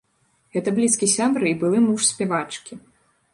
Гэта блізкі сябра і былы муж спявачкі.